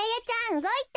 うごいた。